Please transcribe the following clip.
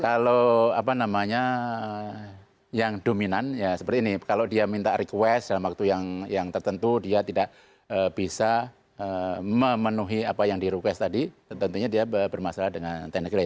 kalau apa namanya yang dominan ya seperti ini kalau dia minta request dalam waktu yang tertentu dia tidak bisa memenuhi apa yang di request tadi tentunya dia bermasalah dengan teknik lain